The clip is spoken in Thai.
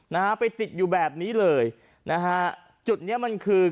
นะฮะไปติดอยู่แบบนี้เลยนะฮะจุดเนี้ยมันคือ